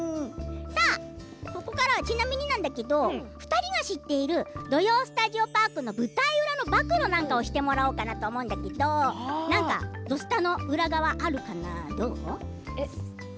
ここからは、ちなみになんだけど２人が知っている「土曜スタジオパーク」の舞台裏の暴露なんかをしてもらおうかなと思うんだけど「土スタ」の裏側あるかなどう？